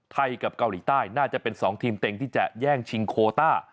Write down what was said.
กับเกาหลีใต้น่าจะเป็น๒ทีมเต็งที่จะแย่งชิงโคต้า